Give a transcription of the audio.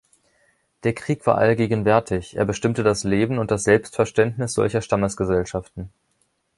Der Krieg war allgegenwärtig, er bestimmte das Leben und das Selbstverständnis solcher Stammesgesellschaften.